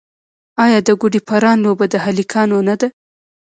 آیا د ګوډي پران لوبه د هلکانو نه ده؟